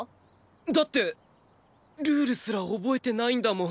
だってルールすら覚えてないんだもん。